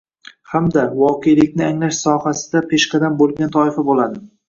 hamda voqelikni anglash sohasida peshqadam bo‘lgan toifa bo‘ladi.